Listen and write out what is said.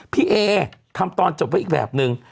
พี่เอทำตอนจบไว้อีกแบบนึง